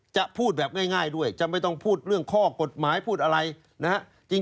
จะพูดแบบง่ายด้วยจะไม่ต้องพูดเรื่องข้อกฎหมายพูดอะไรนะฮะ